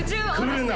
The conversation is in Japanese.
来るな！